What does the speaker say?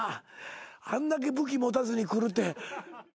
あんだけ武器持たずに来るって。